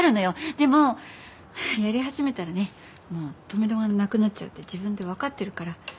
でもやり始めたらねもうとめどがなくなっちゃうって自分でわかってるから。